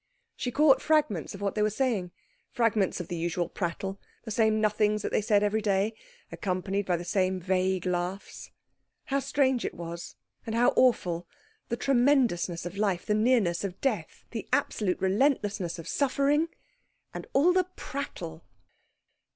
She caught fragments of what they were saying, fragments of the usual prattle, the same nothings that they said every day, accompanied by the same vague laughs. How strange it was, and how awful, the tremendousness of life, the nearness of death, the absolute relentlessness of suffering, and all the prattle.